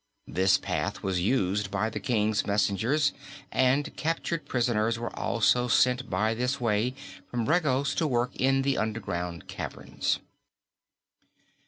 This path was used by the King's messengers, and captured prisoners were also sent by this way from Regos to work in the underground caverns.